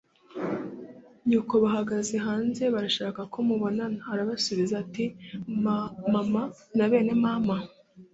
nyoko bahagaze hanze barashaka ko mubonana. arabasubiza ati “mama na bene mama…”